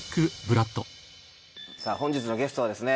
さぁ本日のゲストはですね